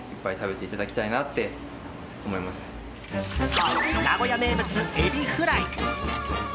そう、名古屋名物エビフライ。